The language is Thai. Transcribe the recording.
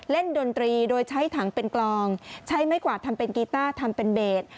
ดนตรีโดยใช้ถังเป็นกลองใช้ไม้กวาดทำเป็นกีต้าทำเป็นเบส